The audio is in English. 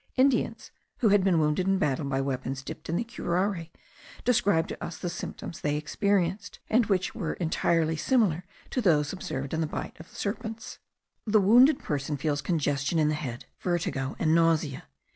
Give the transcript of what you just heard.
Indians, who had been wounded in battle by weapons dipped in the curare, described to us the symptoms they experienced, which were entirely similar to those observed in the bite of serpents. The wounded person feels congestion in the head, vertigo, and nausea.